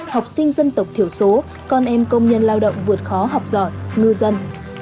học sinh dân tộc thiểu số con em công nhân lao động vượt khó học giỏi ngư dân